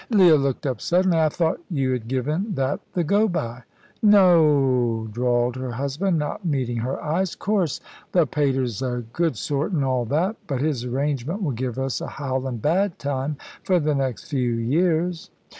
Leah looked up suddenly. "I thought you had given that the go by." "No o o," drawled her husband, not meeting her eyes. "Course, th' pater's a good sort an' all that. But his arrangement will give us a howlin' bad time for the next few years."